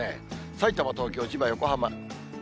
さいたま、東京、千葉、横浜。